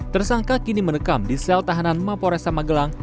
tersangka kini menekam di sel tahanan mapo resa magelang